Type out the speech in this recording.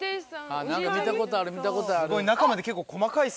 何か見たことある見たことある。